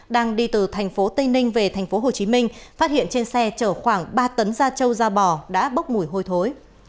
đang đi từ tp tây ninh về tp hồ chí minh phát hiện trên xe chở khoảng ba tấn da trâu da bò đã bốc mùi hôi thối